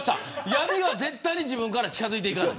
闇は絶対に自分から近づいてこない。